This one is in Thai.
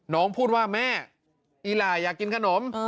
พูดว่าแม่อีหล่าอยากกินขนม